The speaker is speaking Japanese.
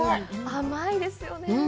甘いですよねぇ。